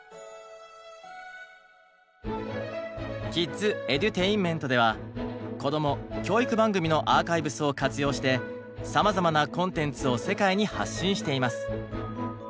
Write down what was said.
「ＫｉｄｓＥｄｕｔａｉｎｍｅｎｔ」ではこども・教育番組のアーカイブスを活用してさまざまなコンテンツを世界に発信しています。